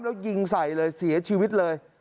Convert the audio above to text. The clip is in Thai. แล้วยิงใส่เลยเสียชีวิตเลย